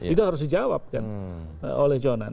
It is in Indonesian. itu harus dijawabkan oleh jonan